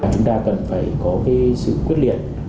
chúng ta cần phải có sự quyết liệt